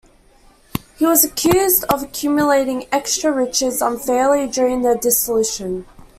He was accused of accumulating extra riches unfairly during the dissolution.